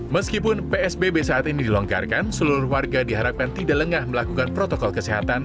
meskipun psbb saat ini dilonggarkan seluruh warga diharapkan tidak lengah melakukan protokol kesehatan